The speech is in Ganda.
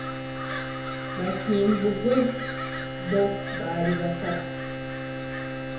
Bakimbugwe bo baali basatu.